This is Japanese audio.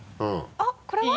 あっこれは？